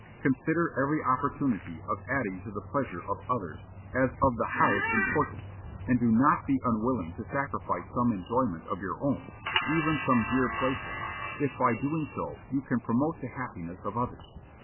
Consider every opportunity of adding to the pleasure of others as of the highest importance, and do not be unwilling to sacrifice some enjoyment of your own, even some dear plaything, if by doing so you can promote the happiness of others.